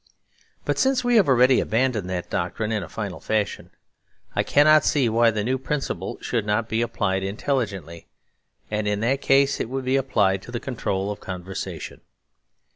But since we have already abandoned that doctrine in a final fashion, I cannot see why the new principle should not be applied intelligently; and in that case it would be applied to the control of conversation.